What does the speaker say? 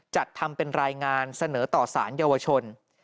จัดทำเป็นรายงานเสนอต่อสารเยาวชน